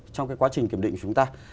trong cái quá trình kiểm định của chúng ta